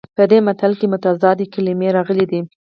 په دې متل کې متضادې کلمې راغلي دي